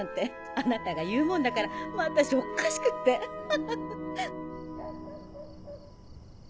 あなたが言うもんだからもう私おかしくってフフフ。